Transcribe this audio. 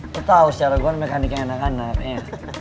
lo tau secara gua mekanik yang anak anak ya